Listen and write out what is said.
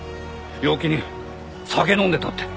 陽気に酒飲んでたって。